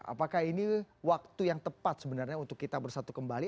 apakah ini waktu yang tepat sebenarnya untuk kita bersatu kembali